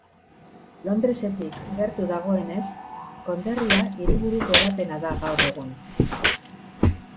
Londresetik gertu dagoenez, konderria hiriburuko hedapena da gaur egun.